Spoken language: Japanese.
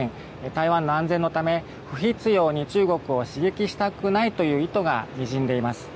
台湾の安全のため不必要に中国を刺激したくないという意図がにじんでいます。